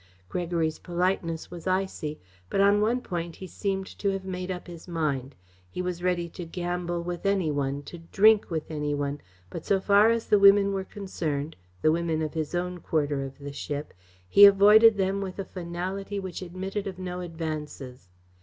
Gregory's politeness was icy, but on one point he seemed to have made up his mind: He was ready to gamble with any one, to drink with any one, but so far as the women were concerned the women of his own quarter of the ship he avoided them with a finality which admitted of no advances.